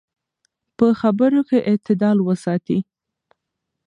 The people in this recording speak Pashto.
په خبرو کې اعتدال وساتئ.